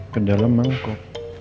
ke dalam mangkok